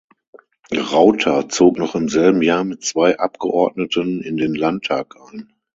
Rauter zog noch im selben Jahr mit zwei Abgeordneten in den Landtag ein.